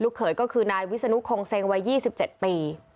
เขยก็คือนายวิศนุคงเซ็งวัย๒๗ปี